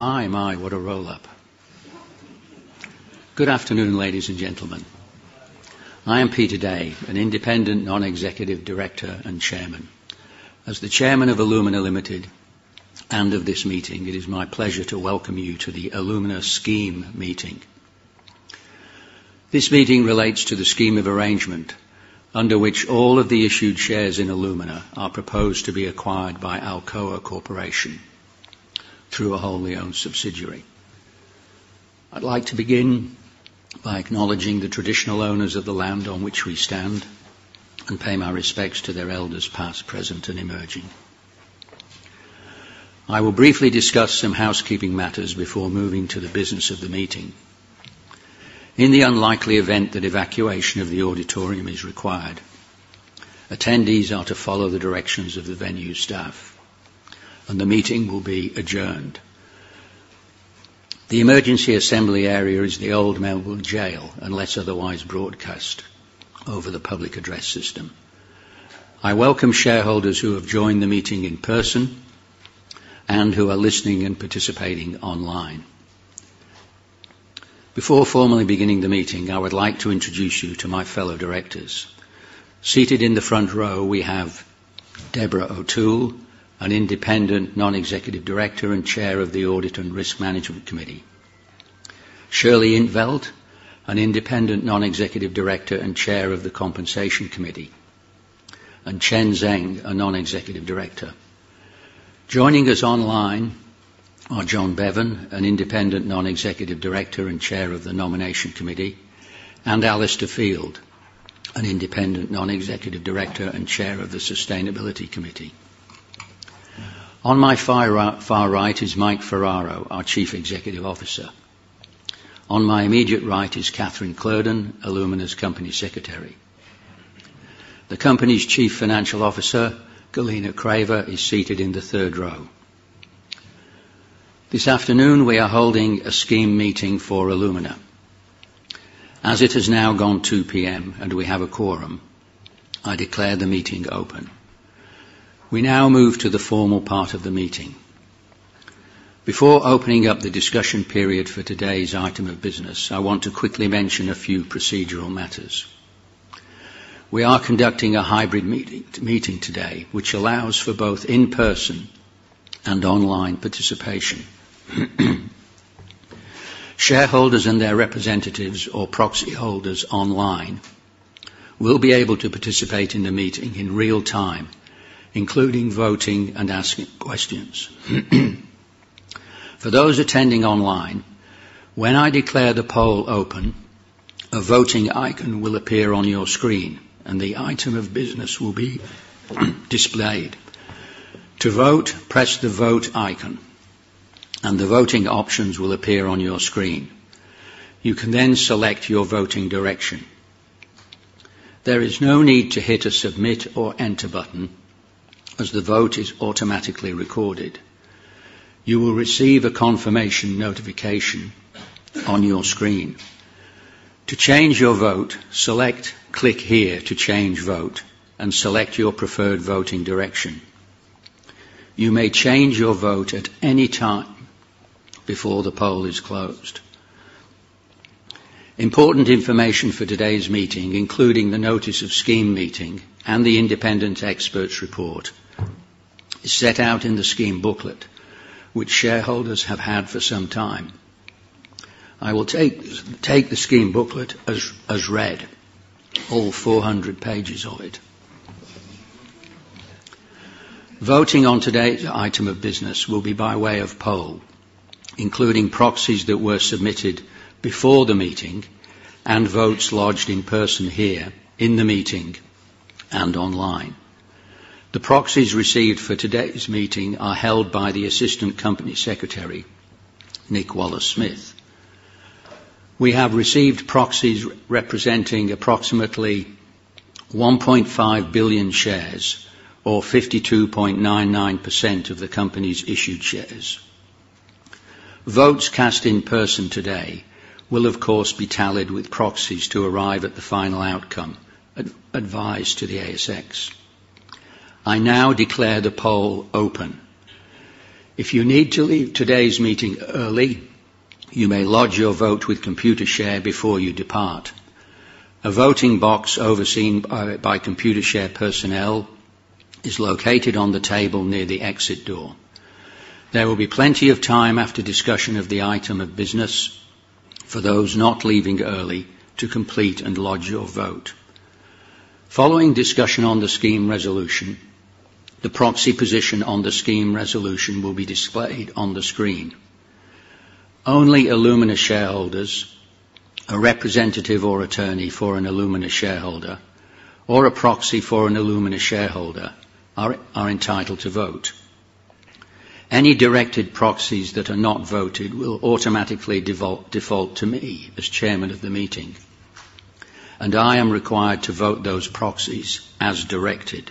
My, my, what a roll-up! Good afternoon, ladies and gentlemen. I am Peter Day, an independent non-executive director and chairman. As the chairman of Alumina Limited and of this meeting, it is my pleasure to welcome you to the Alumina Scheme Meeting. This meeting relates to the scheme of arrangement under which all of the issued shares in Alumina are proposed to be acquired by Alcoa Corporation through a wholly owned subsidiary. I'd like to begin by acknowledging the traditional owners of the land on which we stand, and pay my respects to their elders, past, present, and emerging. I will briefly discuss some housekeeping matters before moving to the business of the meeting. In the unlikely event that evacuation of the auditorium is required, attendees are to follow the directions of the venue staff, and the meeting will be adjourned. The emergency assembly area is the Old Melbourne Gaol, unless otherwise broadcast over the public address system. I welcome shareholders who have joined the meeting in person and who are listening and participating online. Before formally beginning the meeting, I would like to introduce you to my fellow directors. Seated in the front row, we have Deborah O'Toole, an independent non-executive director and Chair of the Audit and Risk Management Committee. Shirley In't Veld, an independent non-executive director and Chair of the Compensation Committee, and Chen Zeng, a non-executive director. Joining us online are John Bevan, an independent non-executive director and Chair of the Nomination Committee, and Alistair Field, an independent non-executive director and Chair of the Sustainability Committee. On my far right is Mike Ferraro, our Chief Executive Officer. On my immediate right is Katherine Kloeden, Alumina's Company Secretary. The company's Chief Financial Officer, Galina Kraeva, is seated in the third row. This afternoon, we are holding a scheme meeting for Alumina. As it has now gone 2 P.M., and we have a quorum, I declare the meeting open. We now move to the formal part of the meeting. Before opening up the discussion period for today's item of business, I want to quickly mention a few procedural matters. We are conducting a hybrid meeting, meeting today, which allows for both in-person and online participation. Shareholders and their representatives or proxy holders online will be able to participate in the meeting in real time, including voting and asking questions. For those attending online, when I declare the poll open, a voting icon will appear on your screen, and the item of business will be displayed. To vote, press the Vote icon, and the voting options will appear on your screen. You can then select your voting direction. There is no need to hit a Submit or Enter button, as the vote is automatically recorded. You will receive a confirmation notification on your screen. To change your vote, select Click here to change vote, and select your preferred voting direction. You may change your vote at any time before the poll is closed. Important information for today's meeting, including the notice of scheme meeting and the independent expert's report, is set out in the scheme booklet, which shareholders have had for some time. I will take the scheme booklet as read, all 400 pages of it. Voting on today's item of business will be by way of poll, including proxies that were submitted before the meeting and votes lodged in person here in the meeting and online. The proxies received for today's meeting are held by the Assistant Company Secretary, Nick Wallace-Smith. We have received proxies representing approximately 1.5 billion shares or 52.99% of the company's issued shares. Votes cast in person today will, of course, be tallied with proxies to arrive at the final outcome advised to the ASX. I now declare the poll open. If you need to leave today's meeting early, you may lodge your vote with Computershare before you depart. A voting box overseen by Computershare personnel is located on the table near the exit door. There will be plenty of time after discussion of the item of business for those not leaving early to complete and lodge your vote. Following discussion on the scheme resolution, the proxy position on the scheme resolution will be displayed on the screen. Only Alumina shareholders, a representative or attorney for an Alumina shareholder, or a proxy for an Alumina shareholder are entitled to vote. Any directed proxies that are not voted will automatically default to me as chairman of the meeting, and I am required to vote those proxies as directed.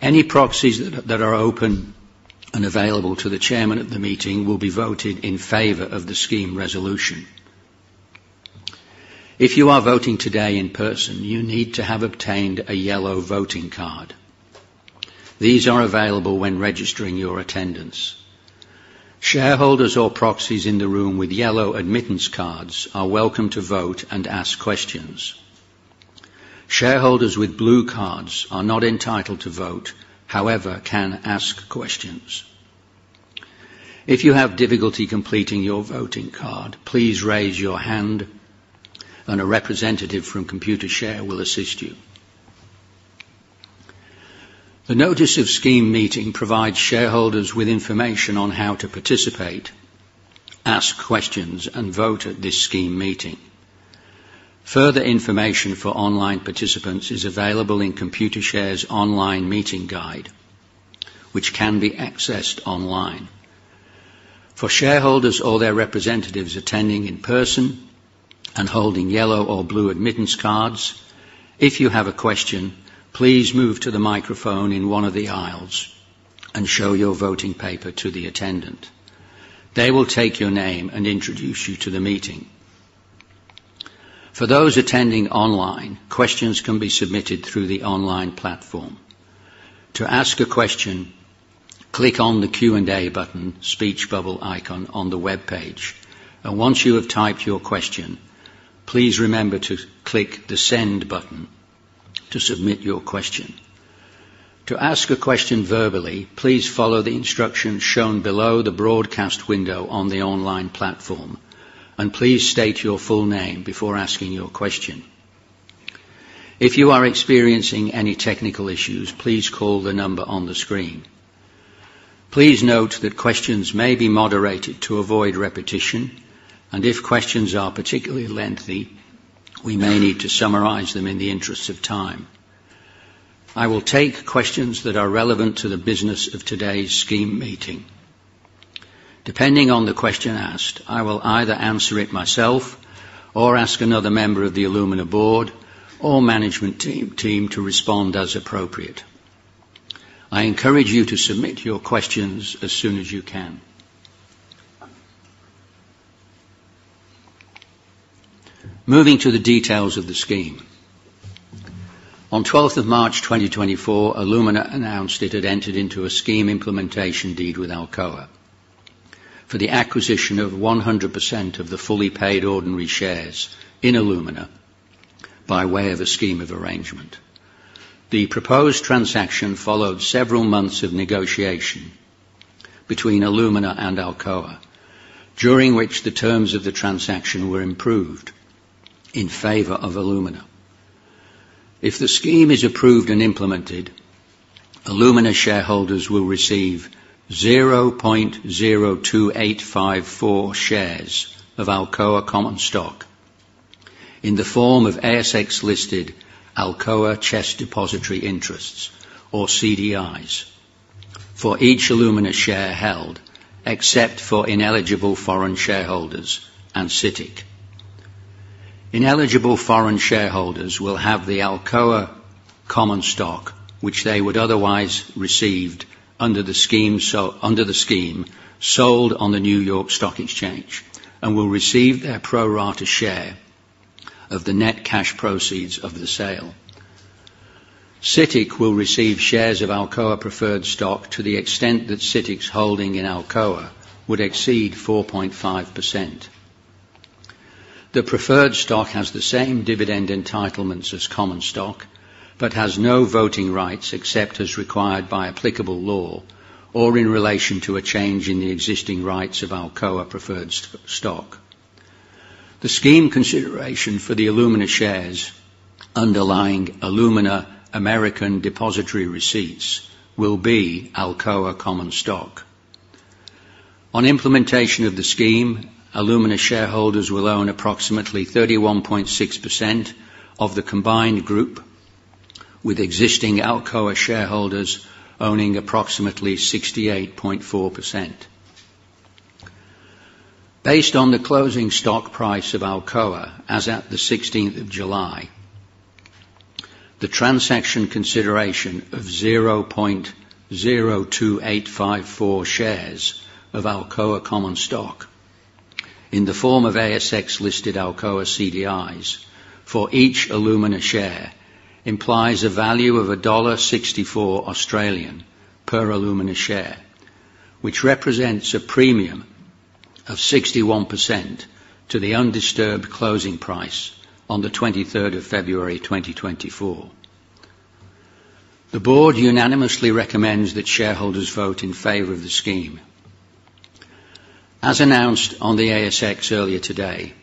Any proxies that are open and available to the chairman at the meeting will be voted in favor of the scheme resolution. If you are voting today in person, you need to have obtained a yellow voting card. These are available when registering your attendance. Shareholders or proxies in the room with yellow admittance cards are welcome to vote and ask questions. Shareholders with blue cards are not entitled to vote, however, can ask questions. If you have difficulty completing your voting card, please raise your hand, and a representative from Computershare will assist you. The Notice of Scheme Meeting provides shareholders with information on how to participate, ask questions, and vote at this scheme meeting. Further information for online participants is available in Computershare's Online Meeting Guide, which can be accessed online. For shareholders or their representatives attending in person and holding yellow or blue admittance cards, if you have a question, please move to the microphone in one of the aisles and show your voting paper to the attendant. They will take your name and introduce you to the meeting. For those attending online, questions can be submitted through the online platform. To ask a question, click on the Q&A button, speech bubble icon on the webpage, and once you have typed your question, please remember to click the send button to submit your question. To ask a question verbally, please follow the instructions shown below the broadcast window on the online platform, and please state your full name before asking your question. If you are experiencing any technical issues, please call the number on the screen. Please note that questions may be moderated to avoid repetition, and if questions are particularly lengthy, we may need to summarize them in the interest of time. I will take questions that are relevant to the business of today's scheme meeting. Depending on the question asked, I will either answer it myself or ask another member of the Alumina board or management team to respond as appropriate. I encourage you to submit your questions as soon as you can. Moving to the details of the scheme. On 12th of March 2024, Alumina announced it had entered into a scheme implementation deed with Alcoa for the acquisition of 100% of the fully paid ordinary shares in Alumina by way of a scheme of arrangement. The proposed transaction followed several months of negotiation between Alumina and Alcoa, during which the terms of the transaction were improved in favor of Alumina. If the scheme is approved and implemented, Alumina shareholders will receive 0.02854 shares of Alcoa common stock in the form of ASX-listed Alcoa CHESS Depositary Interests, or CDIs, for each Alumina share held, except for ineligible foreign shareholders and CITIC. Ineligible foreign shareholders will have the Alcoa common stock, which they would otherwise receive under the scheme, sold on the New York Stock Exchange and will receive their pro rata share of the net cash proceeds of the sale. CITIC will receive shares of Alcoa preferred stock to the extent that CITIC's holding in Alcoa would exceed 4.5%. The preferred stock has the same dividend entitlements as common stock, but has no voting rights except as required by applicable law or in relation to a change in the existing rights of Alcoa preferred stock. The scheme consideration for the Alumina shares underlying Alumina American depository receipts will be Alcoa common stock. On implementation of the scheme, Alumina shareholders will own approximately 31.6% of the combined group, with existing Alcoa shareholders owning approximately 68.4%. Based on the closing stock price of Alcoa as at the 16th of July, the transaction consideration of 0.02854 shares of Alcoa common stock, in the form of ASX-listed Alcoa CDIs for each Alumina share, implies a value of 1.64 Australian dollars per Alumina share, which represents a premium of 61% to the undisturbed closing price on the 23rd of February, 2024. The board unanimously recommends that shareholders vote in favor of the scheme. As announced on the ASX earlier today,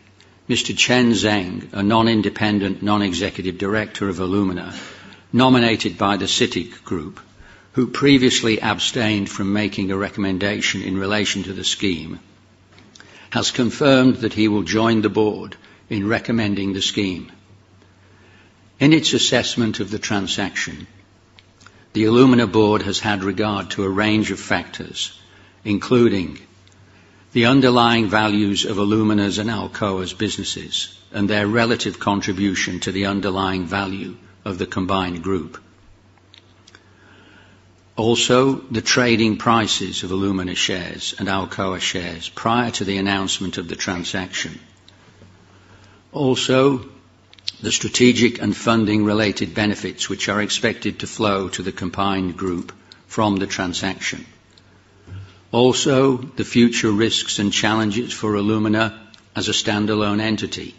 Mr. Chen Zeng, a non-independent, non-executive director of Alumina, nominated by the CITIC Group, who previously abstained from making a recommendation in relation to the scheme, has confirmed that he will join the board in recommending the scheme. In its assessment of the transaction, the Alumina board has had regard to a range of factors, including the underlying values of Alumina's and Alcoa's businesses and their relative contribution to the underlying value of the combined group. Also, the trading prices of Alumina shares and Alcoa shares prior to the announcement of the transaction. Also, the strategic and funding-related benefits, which are expected to flow to the combined group from the transaction. Also, the future risks and challenges for Alumina as a standalone entity,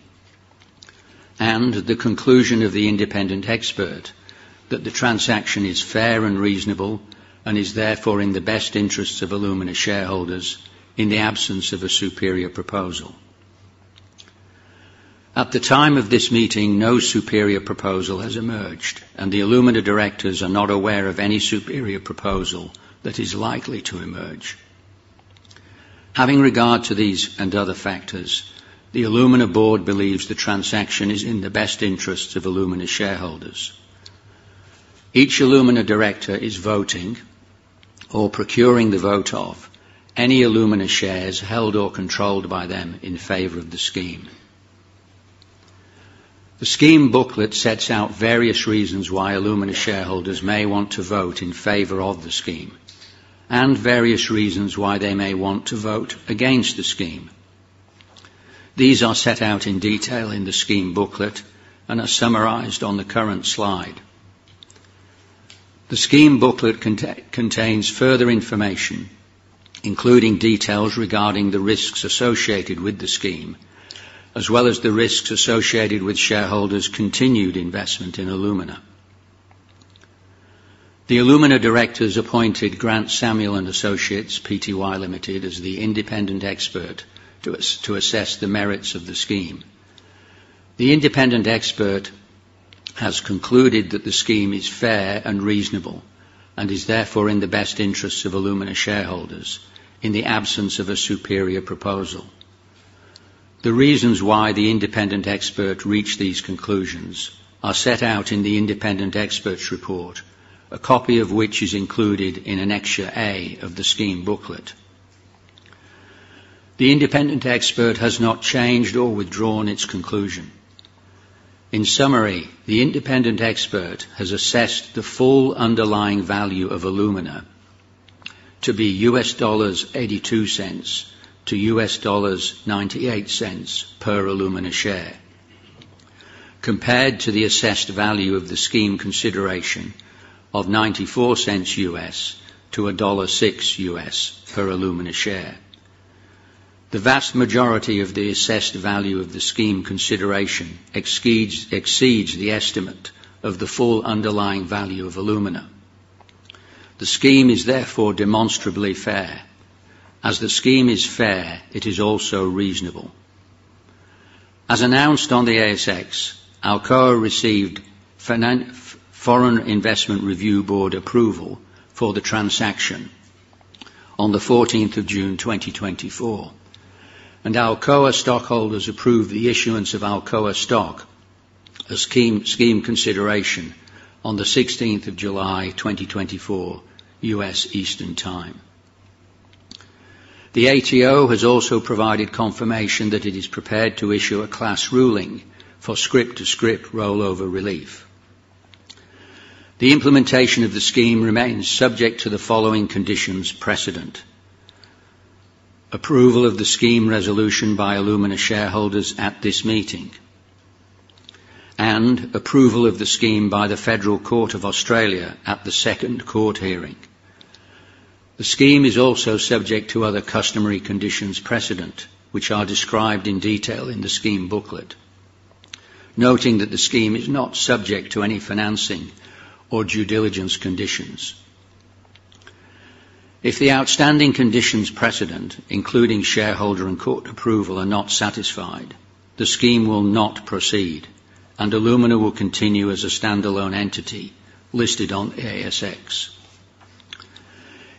and the conclusion of the independent expert that the transaction is fair and reasonable, and is therefore in the best interests of Alumina shareholders in the absence of a superior proposal. At the time of this meeting, no superior proposal has emerged, and the Alumina directors are not aware of any superior proposal that is likely to emerge. Having regard to these and other factors, the Alumina board believes the transaction is in the best interests of Alumina shareholders. Each Alumina director is voting or procuring the vote of any Alumina shares held or controlled by them in favor of the scheme. The scheme booklet sets out various reasons why Alumina shareholders may want to vote in favor of the scheme, and various reasons why they may want to vote against the scheme. These are set out in detail in the scheme booklet and are summarized on the current slide. The scheme booklet contains further information, including details regarding the risks associated with the scheme, as well as the risks associated with shareholders' continued investment in Alumina. The Alumina directors appointed Grant Samuel & Associates Pty Limited as the independent expert to assess the merits of the scheme. The independent expert has concluded that the scheme is fair and reasonable, and is therefore in the best interests of Alumina shareholders in the absence of a superior proposal. The reasons why the independent expert reached these conclusions are set out in the independent expert's report, a copy of which is included in Annexure A of the scheme booklet. The independent expert has not changed or withdrawn its conclusion. In summary, the independent expert has assessed the full underlying value of Alumina to be $0.82-$0.98 per Alumina share, compared to the assessed value of the scheme consideration of $0.94-$1.06 per Alumina share. The vast majority of the assessed value of the scheme consideration exceeds the estimate of the full underlying value of Alumina. The scheme is therefore demonstrably fair. As the scheme is fair, it is also reasonable. As announced on the ASX, Alcoa received Foreign Investment Review Board approval for the transaction on the 14th of June, 2024, and Alcoa stockholders approved the issuance of Alcoa stock as scheme consideration on the 16th of July, 2024, U.S. Eastern Time. The ATO has also provided confirmation that it is prepared to issue a class ruling for scrip-to-scrip rollover relief. The implementation of the scheme remains subject to the following conditions precedent: approval of the scheme resolution by Alumina shareholders at this meeting, and approval of the scheme by the Federal Court of Australia at the second court hearing. The scheme is also subject to other customary conditions precedent, which are described in detail in the scheme booklet, noting that the scheme is not subject to any financing or due diligence conditions. If the outstanding conditions precedent, including shareholder and court approval, are not satisfied, the scheme will not proceed, and Alumina will continue as a standalone entity listed on ASX.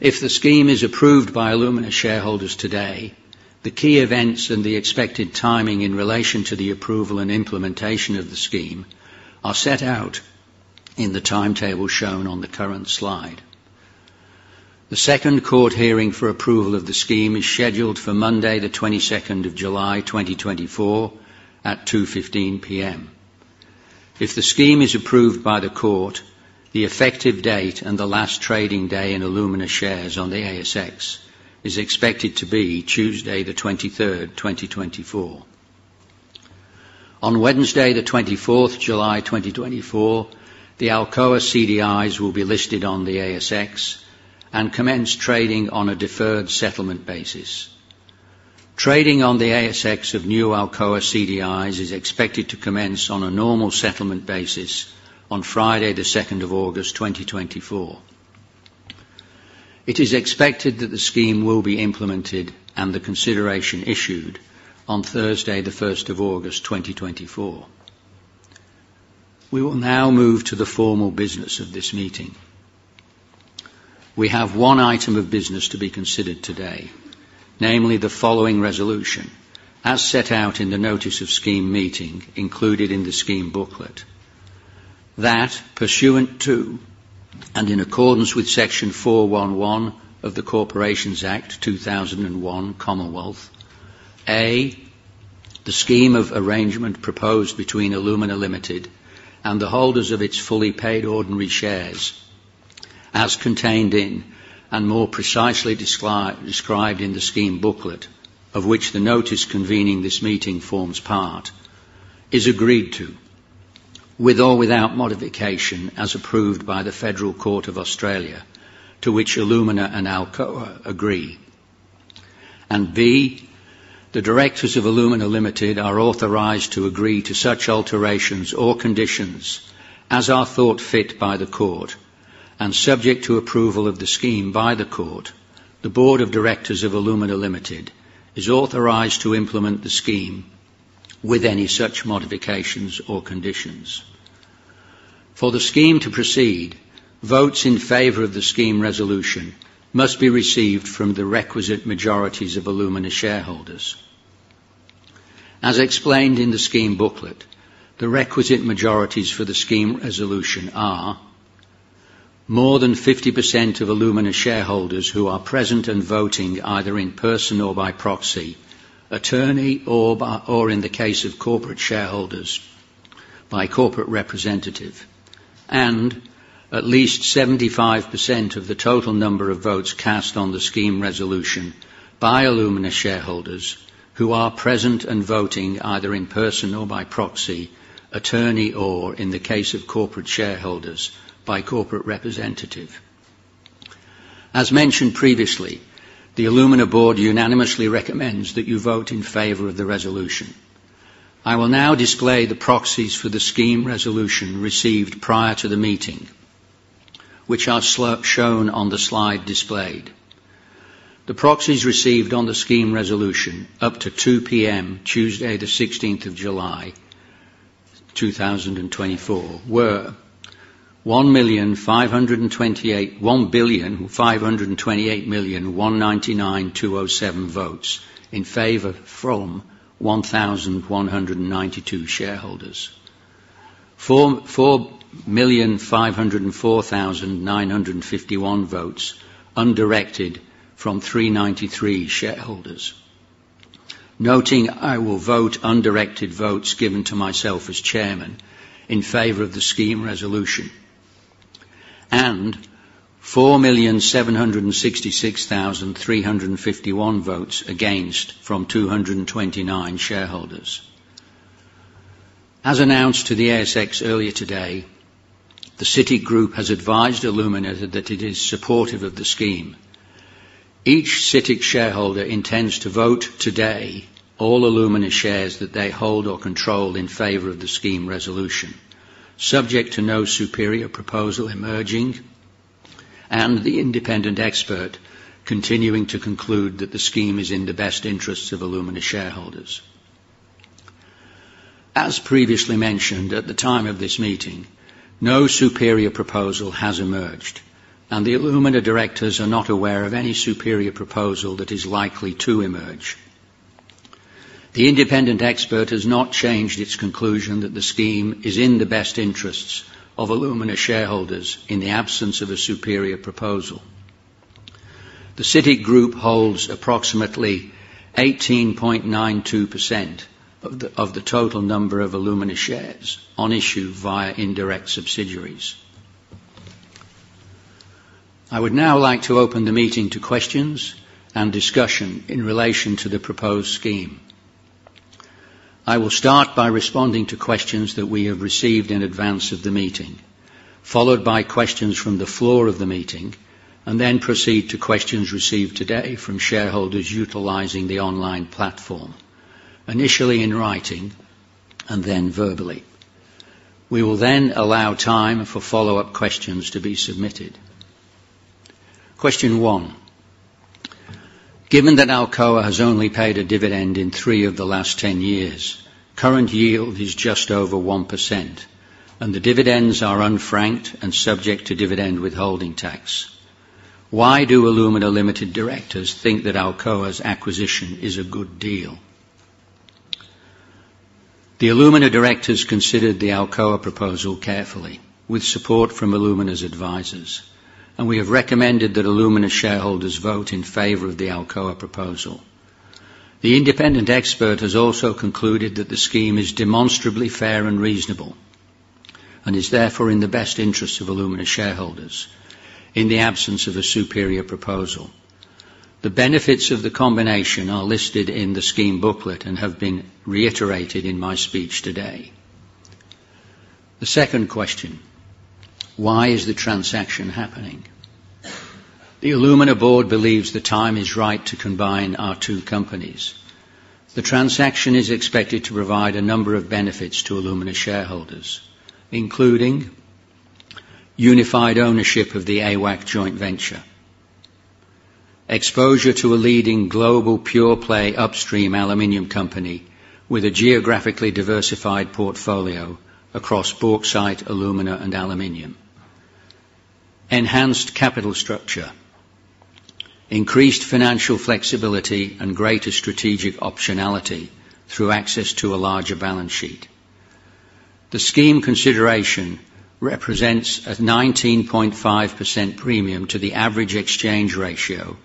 If the scheme is approved by Alumina shareholders today, the key events and the expected timing in relation to the approval and implementation of the scheme are set out in the timetable shown on the current slide. The second court hearing for approval of the scheme is scheduled for Monday, the 22nd of July, 2024, at 2:15 P.M. If the scheme is approved by the Court, the effective date and the last trading day in Alumina shares on the ASX is expected to be Tuesday, the 23rd, 2024. On Wednesday, the 24th July, 2024, the Alcoa CDIs will be listed on the ASX and commence trading on a deferred settlement basis. Trading on the ASX of new Alcoa CDIs is expected to commence on a normal settlement basis on Friday, the 2nd of August 2024. It is expected that the scheme will be implemented and the consideration issued on Thursday, the 1st of August 2024. We will now move to the formal business of this meeting. We have one item of business to be considered today, namely, the following resolution, as set out in the notice of scheme meeting included in the scheme booklet. That pursuant to, and in accordance with Section 411 of the Corporations Act 2001, Commonwealth, A:... The scheme of arrangement proposed between Alumina Limited and the holders of its fully paid ordinary shares, as contained in, and more precisely described in the scheme booklet, of which the notice convening this meeting forms part, is agreed to, with or without modification, as approved by the Federal Court of Australia, to which Alumina and Alcoa agree. B, the directors of Alumina Limited are authorized to agree to such alterations or conditions as are thought fit by the Court, and subject to approval of the scheme by the Court, the Board of Directors of Alumina Limited is authorized to implement the scheme with any such modifications or conditions. For the scheme to proceed, votes in favor of the scheme resolution must be received from the requisite majorities of Alumina shareholders. As explained in the scheme booklet, the requisite majorities for the scheme resolution are more than 50% of Alumina shareholders who are present and voting, either in person or by proxy, attorney, or by- or in the case of corporate shareholders, by corporate representative, and at least 75% of the total number of votes cast on the scheme resolution by Alumina shareholders who are present and voting, either in person or by proxy, attorney, or in the case of corporate shareholders, by corporate representative. As mentioned previously, the Alumina board unanimously recommends that you vote in favor of the resolution. I will now display the proxies for the scheme resolution received prior to the meeting, which are shown on the slide displayed. The proxies received on the scheme resolution up to 2:00 P.M., Tuesday, the 16th of July, 2024, were 1,528,199,207 votes in favor from 1,192 shareholders. 4,504,951 votes undirected from 393 shareholders. Noting I will vote undirected votes given to myself as chairman in favor of the scheme resolution, and 4,766,351 votes against from 229 shareholders. As announced to the ASX earlier today, the CITIC Group has advised Alumina that it is supportive of the scheme. Each CITIC shareholder intends to vote today, all Alumina shares that they hold or control in favor of the scheme resolution, subject to no superior proposal emerging, and the independent expert continuing to conclude that the scheme is in the best interests of Alumina shareholders. As previously mentioned, at the time of this meeting, no superior proposal has emerged, and the Alumina directors are not aware of any superior proposal that is likely to emerge. The independent expert has not changed its conclusion that the scheme is in the best interests of Alumina shareholders in the absence of a superior proposal. The CITIC Group holds approximately 18.92% of the total number of Alumina shares on issue via indirect subsidiaries. I would now like to open the meeting to questions and discussion in relation to the proposed scheme. I will start by responding to questions that we have received in advance of the meeting, followed by questions from the floor of the meeting, and then proceed to questions received today from shareholders utilizing the online platform, initially in writing and then verbally. We will then allow time for follow-up questions to be submitted. Question one: Given that Alcoa has only paid a dividend in three of the last 10 years, current yield is just over 1%, and the dividends are unfranked and subject to dividend withholding tax, why do Alumina Limited directors think that Alcoa's acquisition is a good deal? The Alumina directors considered the Alcoa proposal carefully, with support from Alumina's advisors, and we have recommended that Alumina shareholders vote in favor of the Alcoa proposal. The independent expert has also concluded that the scheme is demonstrably fair and reasonable, and is therefore in the best interest of Alumina shareholders in the absence of a superior proposal. The benefits of the combination are listed in the scheme booklet and have been reiterated in my speech today. The second question: Why is the transaction happening? The Alumina board believes the time is right to combine our two companies. The transaction is expected to provide a number of benefits to Alumina shareholders, including unified ownership of the AWAC joint venture, exposure to a leading global pure-play upstream aluminum company with a geographically diversified portfolio across bauxite, alumina, and aluminum. Enhanced capital structure, increased financial flexibility, and greater strategic optionality through access to a larger balance sheet. The scheme consideration represents a 19.5% premium to the average exchange ratio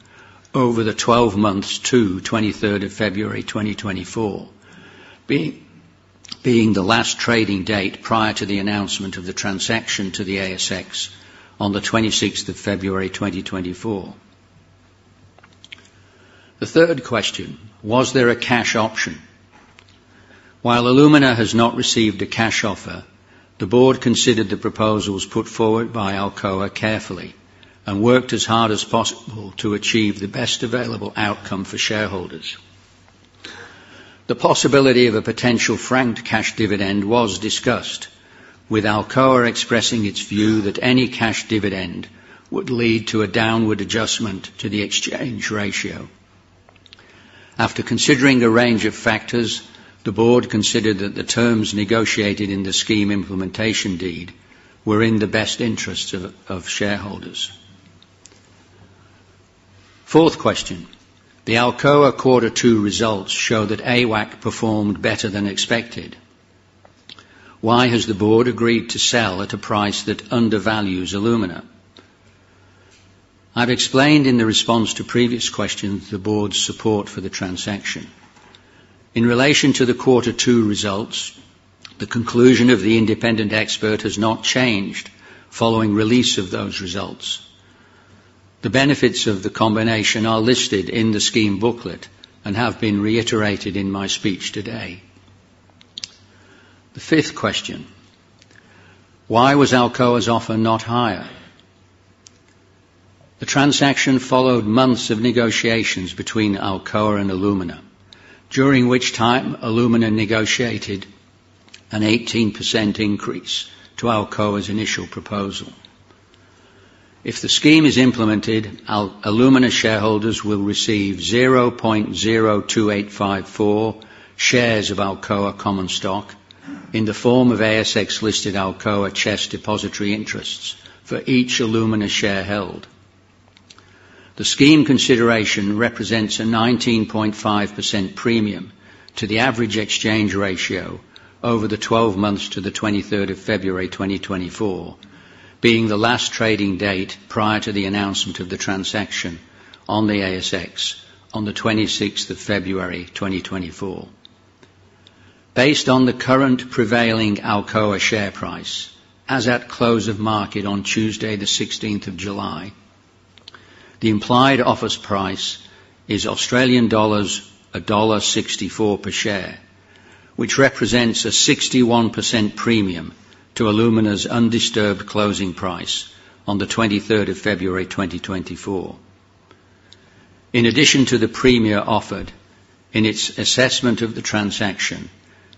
over the 12 months to 23rd of February 2024, being the last trading date prior to the announcement of the transaction to the ASX on the 26th of February 2024. The third question: Was there a cash option? While Alumina has not received a cash offer, the board considered the proposals put forward by Alcoa carefully and worked as hard as possible to achieve the best available outcome for shareholders. The possibility of a potential franked cash dividend was discussed, with Alcoa expressing its view that any cash dividend would lead to a downward adjustment to the exchange ratio. After considering a range of factors, the board considered that the terms negotiated in the scheme implementation deed were in the best interest of shareholders. Fourth question: The Alcoa Quarter two results show that AWAC performed better than expected. Why has the board agreed to sell at a price that undervalues Alumina? I've explained in the response to previous questions, the board's support for the transaction. In relation to the Quarter two results, the conclusion of the independent expert has not changed following release of those results. The benefits of the combination are listed in the scheme booklet and have been reiterated in my speech today. The fifth question: Why was Alcoa's offer not higher? The transaction followed months of negotiations between Alcoa and Alumina, during which time Alumina negotiated an 18% increase to Alcoa's initial proposal. If the scheme is implemented, Alumina shareholders will receive 0.02854 shares of Alcoa common stock in the form of ASX-listed Alcoa CHESS Depositary Interests for each Alumina share held. The scheme consideration represents a 19.5% premium to the average exchange ratio over the 12 months to the 23rd of February, 2024, being the last trading date prior to the announcement of the transaction on the ASX on the 26th of February, 2024. Based on the current prevailing Alcoa share price, as at close of market on Tuesday, the 16th of July, the implied offer price is 1.64 Australian dollars per share, which represents a 61% premium to Alumina's undisturbed closing price on the 23rd of February, 2024. In addition to the premium offered, in its assessment of the transaction,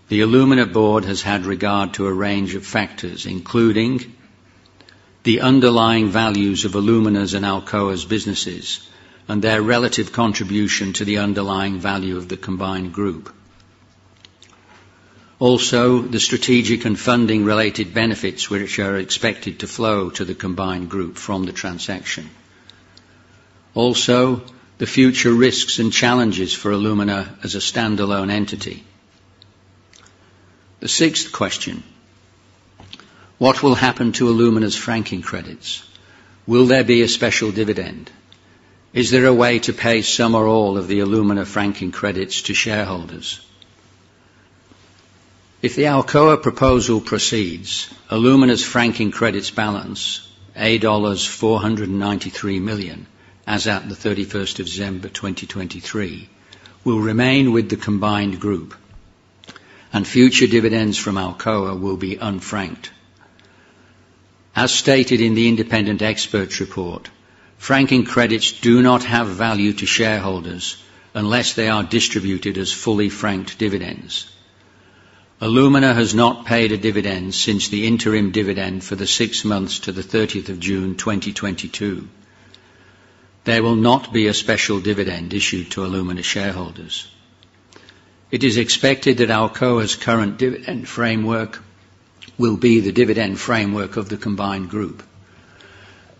the Alumina board has had regard to a range of factors, including the underlying values of Alumina's and Alcoa's businesses and their relative contribution to the underlying value of the combined group. Also, the strategic and funding-related benefits, which are expected to flow to the combined group from the transaction. Also, the future risks and challenges for Alumina as a standalone entity. The sixth question: What will happen to Alumina's franking credits? Will there be a special dividend? Is there a way to pay some or all of the Alumina franking credits to shareholders? If the Alcoa proposal proceeds, Alumina's franking credits balance, dollars 8.93 million, as at the 31st of December 2023, will remain with the combined group, and future dividends from Alcoa will be unfranked. As stated in the independent expert's report, franking credits do not have value to shareholders unless they are distributed as fully franked dividends. Alumina has not paid a dividend since the interim dividend for the six months to the 30th of June 2022. There will not be a special dividend issued to Alumina shareholders. It is expected that Alcoa's current dividend framework will be the dividend framework of the combined group.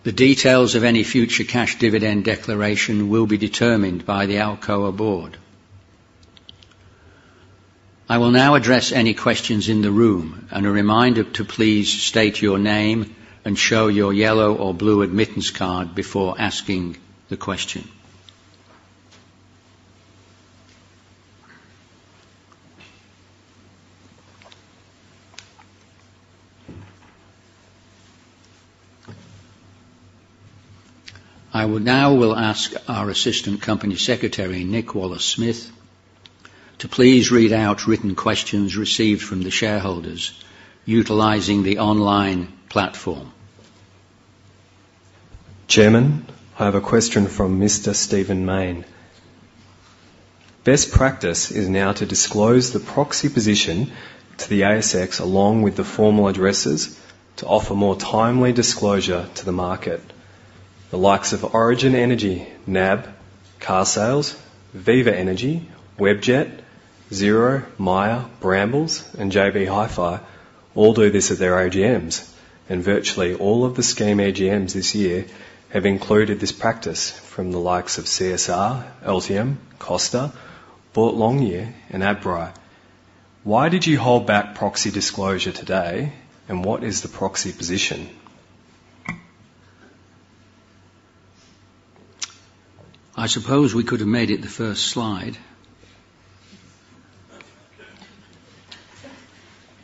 The details of any future cash dividend declaration will be determined by the Alcoa board. I will now address any questions in the room, and a reminder to please state your name and show your yellow or blue admittance card before asking the question. I will now ask our Assistant Company Secretary, Nick Wallace-Smith, to please read out written questions received from the shareholders utilizing the online platform. Chairman, I have a question from Mr. Stephen Mayne. Best practice is now to disclose the proxy position to the ASX, along with the formal addresses, to offer more timely disclosure to the market. The likes of Origin Energy, NAB, Carsales, Viva Energy, Webjet, Xero, Myer, Brambles, and JB Hi-Fi all do this at their AGMs... and virtually all of the scheme AGMs this year have included this practice from the likes of CSR, LTM, Costa, Boart Longyear, and Adbri. Why did you hold back proxy disclosure today, and what is the proxy position? I suppose we could have made it the first slide.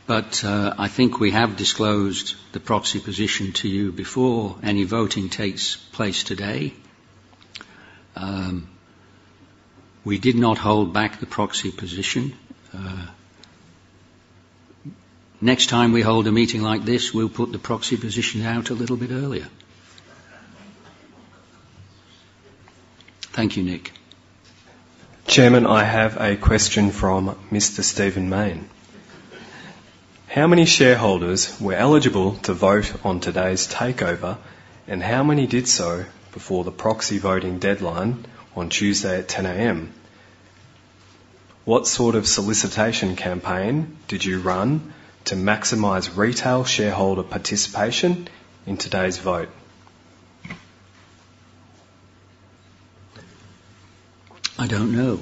But, I think we have disclosed the proxy position to you before any voting takes place today. We did not hold back the proxy position. Next time we hold a meeting like this, we'll put the proxy position out a little bit earlier. Thank you, Nick. Chairman, I have a question from Mr. Stephen Mayne. How many shareholders were eligible to vote on today's takeover, and how many did so before the proxy voting deadline on Tuesday at 10 A.M.? What sort of solicitation campaign did you run to maximize retail shareholder participation in today's vote? I don't know.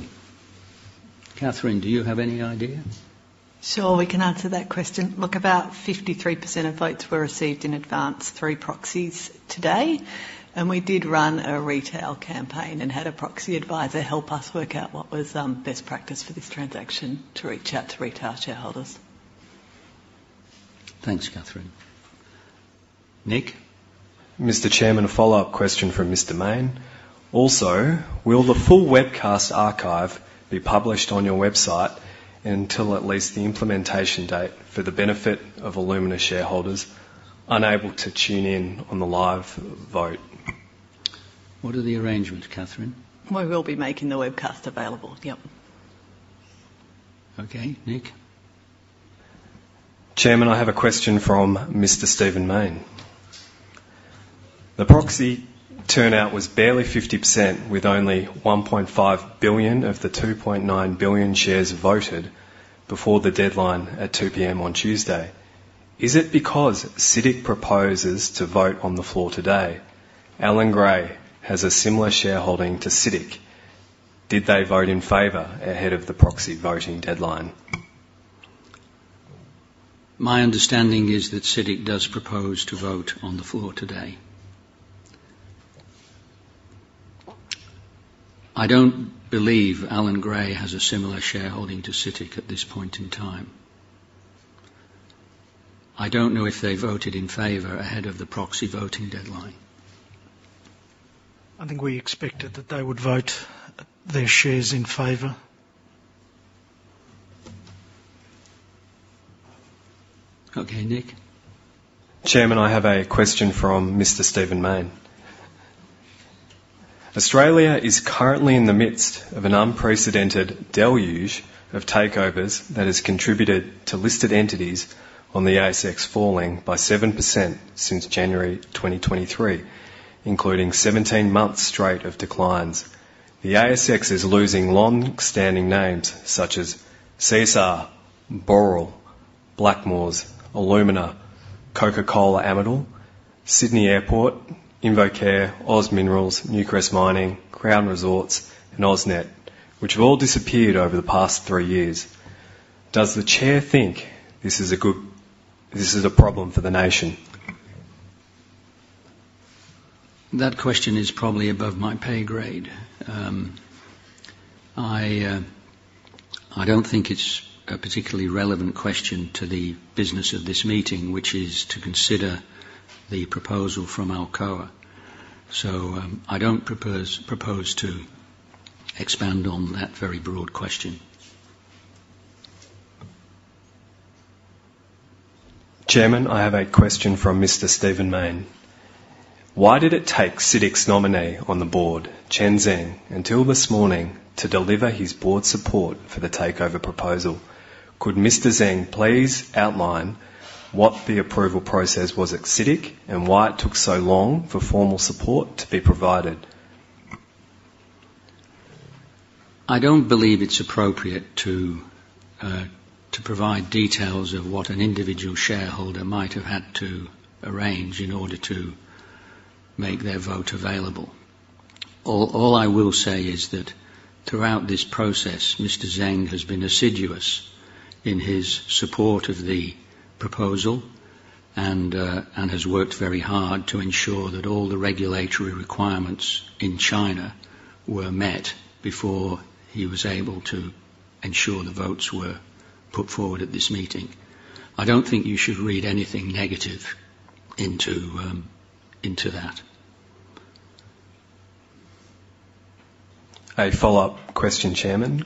Katherine, do you have any idea? Sure, we can answer that question. Look, about 53% of votes were received in advance through proxies today, and we did run a retail campaign and had a proxy advisor help us work out what was best practice for this transaction to reach out to retail shareholders. Thanks, Katherine. Nick? Mr. Chairman, a follow-up question from Mr. Mayne. Also, will the full webcast archive be published on your website until at least the implementation date for the benefit of Alumina shareholders unable to tune in on the live vote? What are the arrangements, Katherine? We will be making the webcast available. Yep. Okay. Nick? Chairman, I have a question from Mr. Stephen Mayne. The proxy turnout was barely 50%, with only 1.5 billion of the 2.9 billion shares voted before the deadline at 2:00 P.M. on Tuesday. Is it because CITIC proposes to vote on the floor today? Allan Gray has a similar shareholding to CITIC. Did they vote in favor ahead of the proxy voting deadline? My understanding is that CITIC does propose to vote on the floor today. I don't believe Allan Gray has a similar shareholding to CITIC at this point in time. I don't know if they voted in favor ahead of the proxy voting deadline. I think we expected that they would vote their shares in favor. Okay, Nick. Chairman, I have a question from Mr. Stephen Mayne. Australia is currently in the midst of an unprecedented deluge of takeovers that has contributed to listed entities on the ASX falling by 7% since January 2023, including 17 months straight of declines. The ASX is losing long-standing names such as CSR, Boral, Blackmores, Alumina, Coca-Cola Amatil, Sydney Airport, InvoCare, OZ Minerals, Newcrest Mining, Crown Resorts, and AusNet, which have all disappeared over the past three years. Does the Chair think this is a problem for the nation? That question is probably above my pay grade. I, I don't think it's a particularly relevant question to the business of this meeting, which is to consider the proposal from Alcoa. So, I don't propose to expand on that very broad question. Chairman, I have a question from Mr. Stephen Mayne. Why did it take CITIC's nominee on the board, Chen Zeng, until this morning to deliver his board support for the takeover proposal? Could Mr. Zeng please outline what the approval process was at CITIC and why it took so long for formal support to be provided? I don't believe it's appropriate to provide details of what an individual shareholder might have had to arrange in order to make their vote available. All, all I will say is that throughout this process, Mr. Zeng has been assiduous in his support of the proposal and has worked very hard to ensure that all the regulatory requirements in China were met before he was able to ensure the votes were put forward at this meeting. I don't think you should read anything negative into that. A follow-up question, Chairman.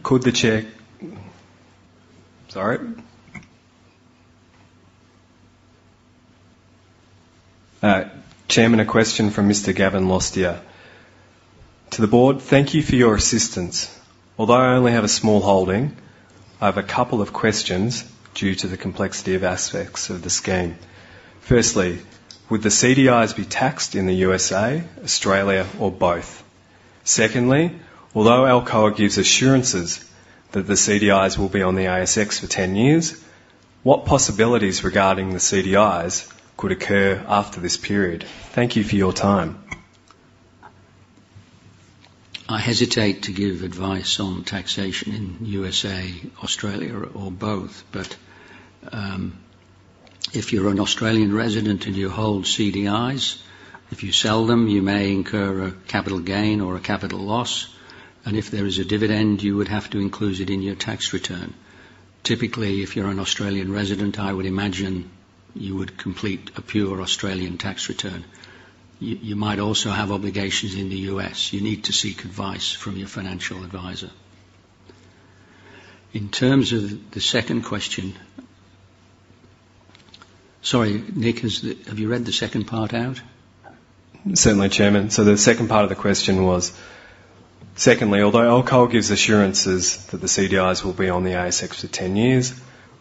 Chairman, a question from Mr. Gavin Lostia. To the board, thank you for your assistance. Although I only have a small holding, I have a couple of questions due to the complexity of aspects of the scheme. Firstly, would the CDIs be taxed in the USA, Australia, or both? Secondly, although Alcoa gives assurances that the CDIs will be on the ASX for 10 years, what possibilities regarding the CDIs could occur after this period? Thank you for your time. I hesitate to give advice on taxation in USA, Australia, or both. But if you're an Australian resident and you hold CDIs, if you sell them, you may incur a capital gain or a capital loss, and if there is a dividend, you would have to include it in your tax return. Typically, if you're an Australian resident, I would imagine you would complete a pure Australian tax return. You might also have obligations in the U.S. You need to seek advice from your financial advisor. In terms of the second question—Sorry, Nick, have you read the second part out? Certainly, Chairman. So the second part of the question was, secondly, although Alcoa gives assurances that the CDIs will be on the ASX for 10 years,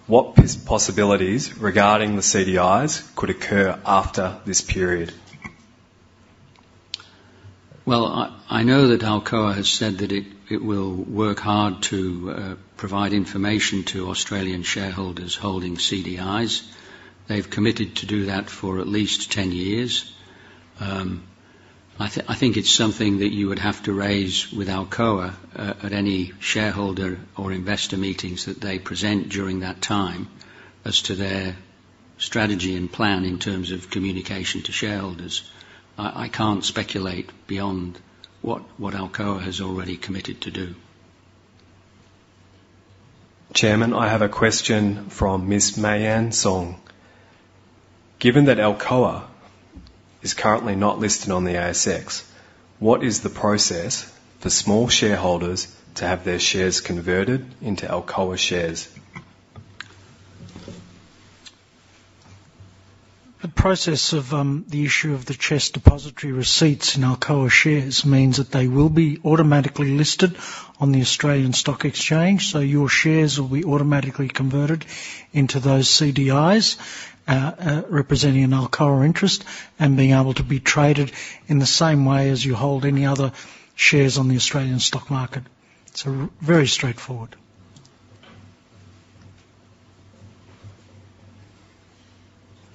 what possibilities regarding the CDIs could occur after this period? Well, I know that Alcoa has said that it will work hard to provide information to Australian shareholders holding CDIs. They've committed to do that for at least 10 years. I think it's something that you would have to raise with Alcoa at any shareholder or investor meetings that they present during that time as to their strategy and plan in terms of communication to shareholders. I can't speculate beyond what Alcoa has already committed to do. Chairman, I have a question from Ms. Mayanne Song: Given that Alcoa is currently not listed on the ASX, what is the process for small shareholders to have their shares converted into Alcoa shares? The process of the issue of the CHESS Depositary Interests in Alcoa shares means that they will be automatically listed on the Australian Stock Exchange, so your shares will be automatically converted into those CDIs, representing an Alcoa interest and being able to be traded in the same way as you hold any other shares on the Australian stock market. It's very straightforward.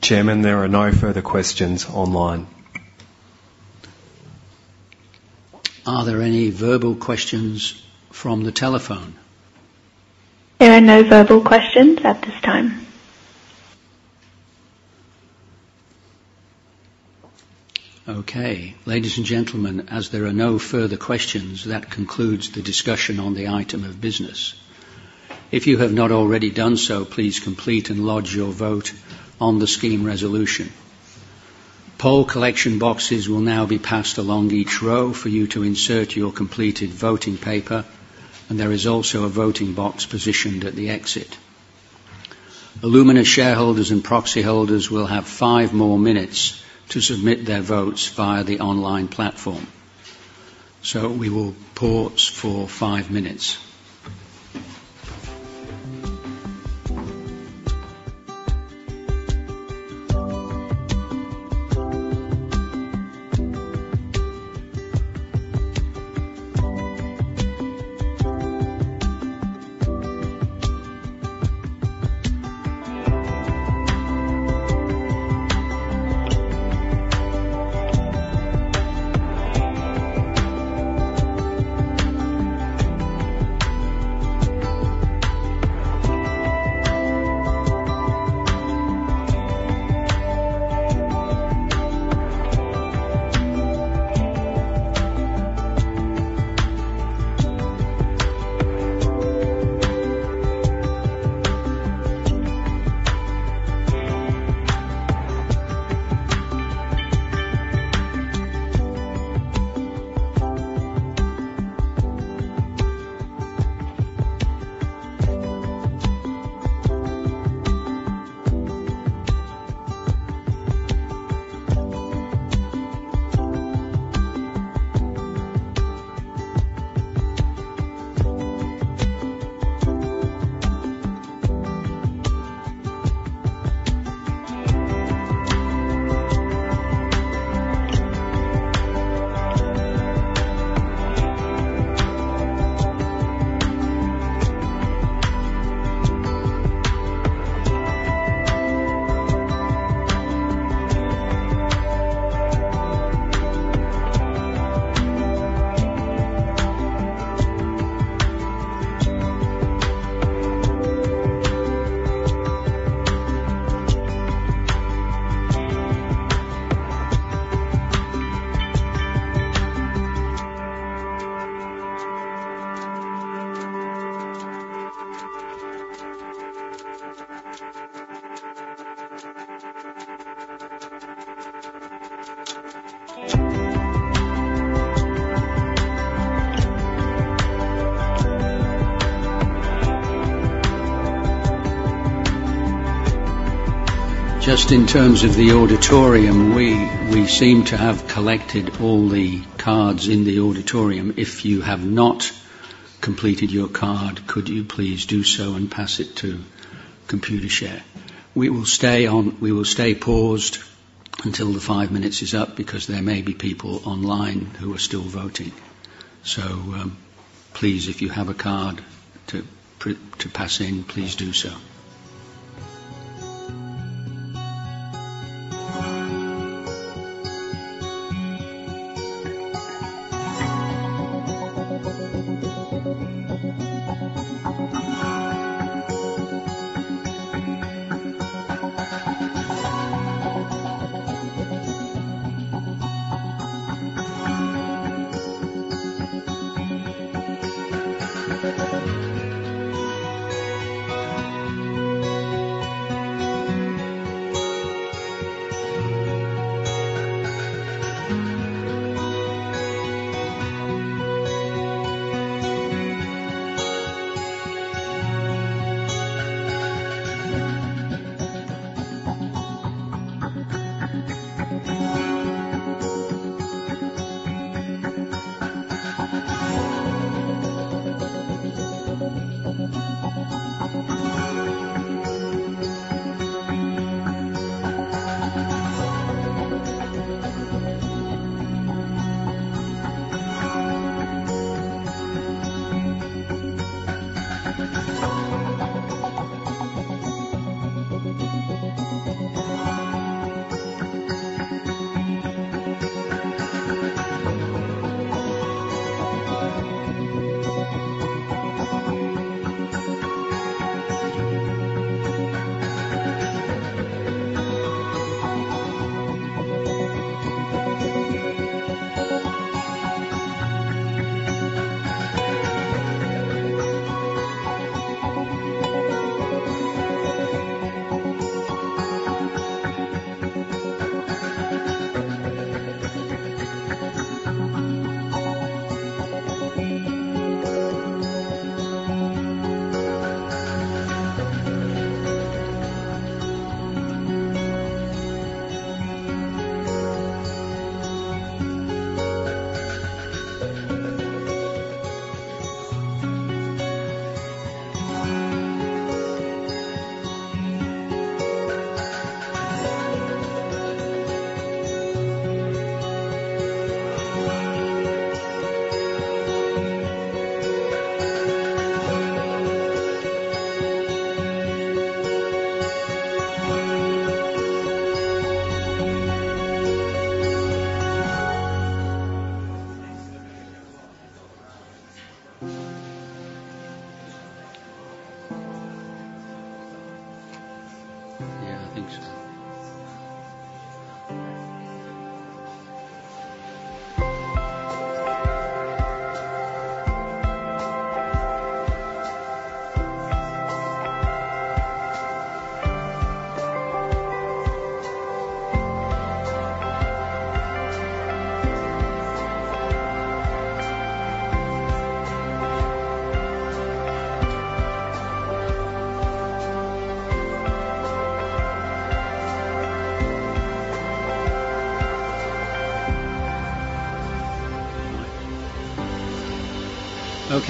Chairman, there are no further questions online. Are there any verbal questions from the telephone? There are no verbal questions at this time. Okay. Ladies and gentlemen, as there are no further questions, that concludes the discussion on the item of business. If you have not already done so, please complete and lodge your vote on the scheme resolution. Poll collection boxes will now be passed along each row for you to insert your completed voting paper, and there is also a voting box positioned at the exit. Alumina shareholders and proxy holders will have five more minutes to submit their votes via the online platform. So we will pause for five minutes. Just in terms of the auditorium, we seem to have collected all the cards in the auditorium. If you have not completed your card, could you please do so and pass it to Computershare? We will stay paused until the five minutes is up because there may be people online who are still voting. So, please, if you have a card to pass in, please do so. Yeah, I think so.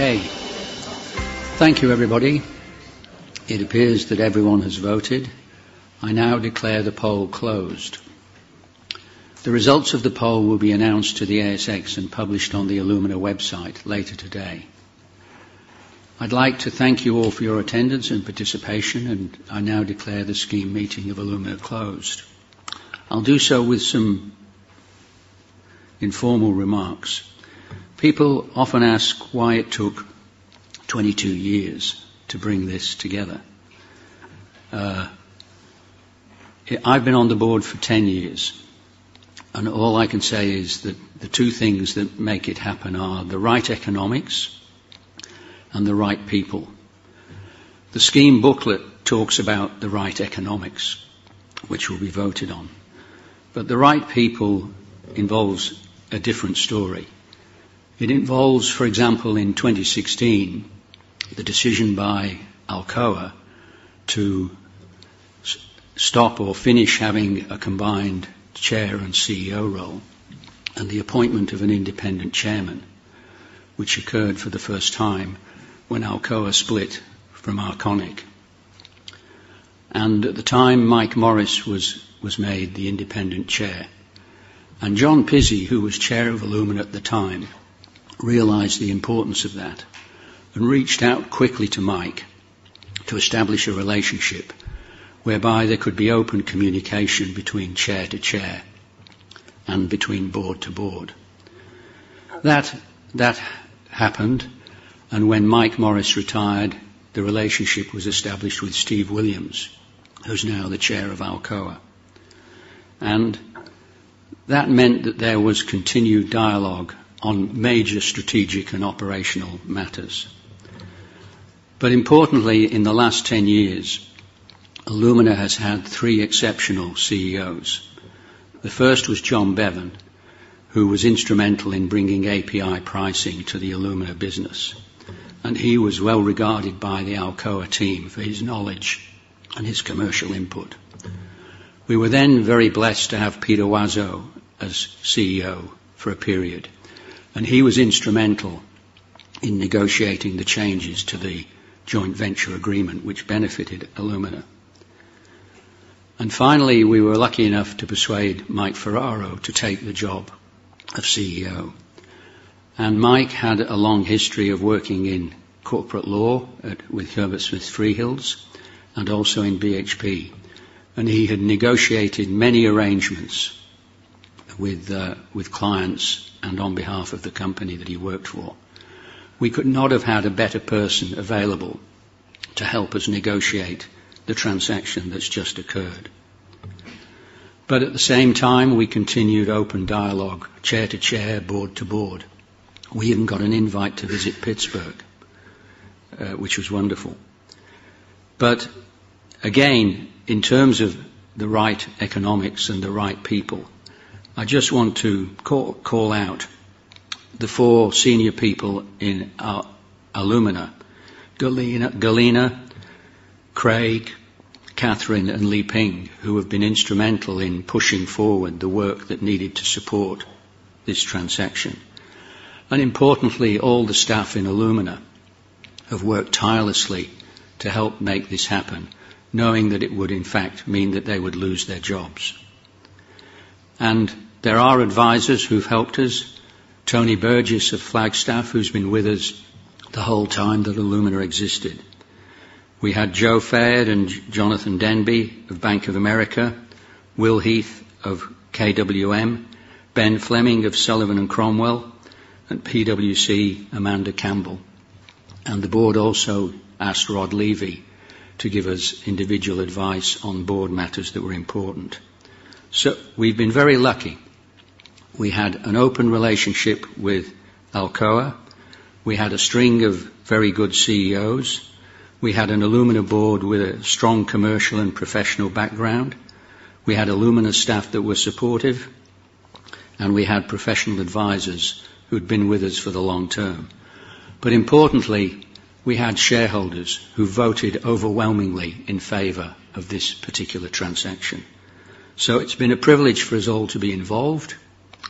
Okay. Thank you, everybody. It appears that everyone has voted. I now declare the poll closed. The results of the poll will be announced to the ASX and published on the Alumina website later today. I'd like to thank you all for your attendance and participation, and I now declare the scheme meeting of Alumina closed. I'll do so with some informal remarks. People often ask why it took 22 years to bring this together. I've been on the board for 10 years, and all I can say is that the two things that make it happen are the right economics and the right people. The scheme booklet talks about the right economics, which will be voted on, but the right people involves a different story. It involves, for example, in 2016, the decision by Alcoa to stop or finish having a combined chair and CEO role, and the appointment of an independent chairman, which occurred for the first time when Alcoa split from Arconic. At the time, Mike Morris was made the independent chair, and John Pizzey, who was chair of Alumina at the time, realized the importance of that and reached out quickly to Mike to establish a relationship whereby there could be open communication between chair to chair and between board to board. That happened, and when Mike Morris retired, the relationship was established with Steve Williams, who's now the chair of Alcoa. That meant that there was continued dialogue on major strategic and operational matters. Importantly, in the last 10 years, Alumina has had three exceptional CEOs. The first was John Bevan, who was instrumental in bringing API pricing to the Alumina business, and he was well regarded by the Alcoa team for his knowledge and his commercial input.... We were then very blessed to have Peter Wasow as CEO for a period, and he was instrumental in negotiating the changes to the joint venture agreement, which benefited Alumina. And finally, we were lucky enough to persuade Mike Ferraro to take the job of CEO. And Mike had a long history of working in corporate law with Herbert Smith Freehills and also in BHP. And he had negotiated many arrangements with, with clients and on behalf of the company that he worked for. We could not have had a better person available to help us negotiate the transaction that's just occurred. But at the same time, we continued open dialogue, chair to chair, board to board. We even got an invite to visit Pittsburgh, which was wonderful. But again, in terms of the right economics and the right people, I just want to call, call out the four senior people in Alumina: Galina, Galina, Craig, Katherine, and Liping, who have been instrumental in pushing forward the work that needed to support this transaction. And importantly, all the staff in Alumina have worked tirelessly to help make this happen, knowing that it would, in fact, mean that they would lose their jobs. And there are advisors who've helped us. Tony Burgess of Flagstaff, who's been with us the whole time that Alumina existed. We had Joe Fayad and Jonathan Denby of Bank of America, Will Heath of KWM, Ben Fleming of Sullivan & Cromwell, and PwC, Amanda Campbell. The board also asked Rod Levy to give us individual advice on board matters that were important. So we've been very lucky. We had an open relationship with Alcoa. We had a string of very good CEOs. We had an Alumina board with a strong commercial and professional background. We had Alumina staff that were supportive, and we had professional advisors who'd been with us for the long term. But importantly, we had shareholders who voted overwhelmingly in favor of this particular transaction. So it's been a privilege for us all to be involved,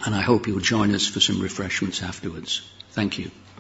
and I hope you will join us for some refreshments afterwards. Thank you.